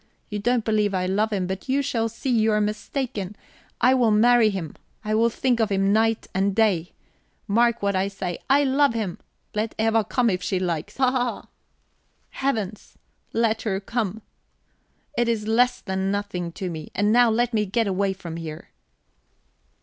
You don't believe I love him, but you shall see you are mistaken. I will marry him; I will think of him night and day. Mark what I say: I love him. Let Eva come if she likes hahaha! Heavens, let her come it is less than nothing to me. And now let me get away from here..."